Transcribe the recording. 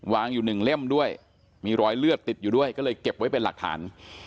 วางอยู่หนึ่งเล่มด้วยมีรอยเลือดติดอยู่ด้วยก็เลยเก็บไว้เป็นหลักฐาน